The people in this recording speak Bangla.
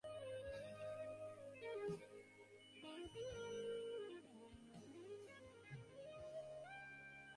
তাহারা জানিত শ্রীকৃষ্ণ প্রেমের মূর্ত বিগ্রহ।